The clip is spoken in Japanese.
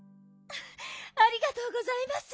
ありがとうございます。